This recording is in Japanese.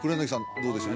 どうでしょう？